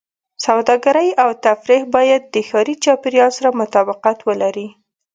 سوداګرۍ او تفریح باید د ښاري چاپېریال سره مطابقت ولري.